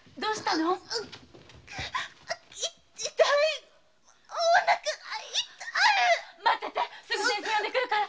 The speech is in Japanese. すぐ先生を呼んでくるから！